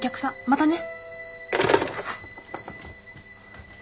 またね。